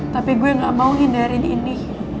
tapi gue gak mau hindari dini